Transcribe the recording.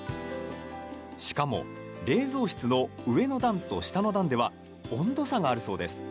しかも、冷蔵室の上の段と下の段では温度差があるそうです。